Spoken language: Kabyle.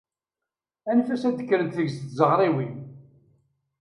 Anef-as ad kkren-t deg-s tzaɣriwin!